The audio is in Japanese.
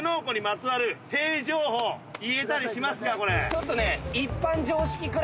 ちょっとね。